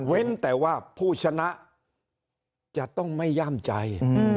แต่ว่าผู้ชนะจะต้องไม่ย่ามใจ